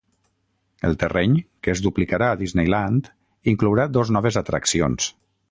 El terreny, que es duplicarà a Disneyland, inclourà dos noves atraccions.